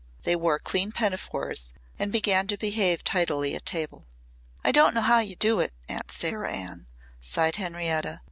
They wore clean pinafores and began to behave tidily at table. "I don't know how you do it, Aunt Sarah Ann," sighed Henrietta.